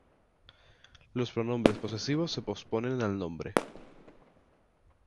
Los pronombres posesivos se posponen al nombre.